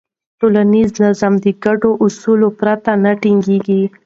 ټولنیز نظم د ګډو اصولو پرته نه ټینګېږي.